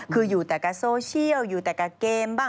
คืออยู่แต่กับโซเชียลอยู่แต่กับเกมบ้าง